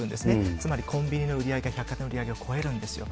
つまりコンビニの売り上げが、百貨店の売り上げを超えるんですよ。